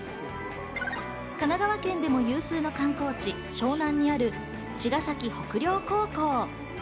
神奈川県でも有数の観光地・湘南にある茅ヶ崎北陵高校。